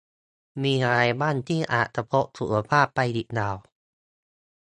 มีอะไรบ้างที่อาจกระทบสุขภาพไปอีกยาว